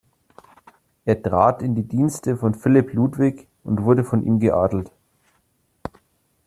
Er trat in die Dienste von Philipp Ludwig, und wurde von ihm geadelt.